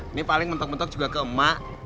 ini paling mentok mentok juga ke emak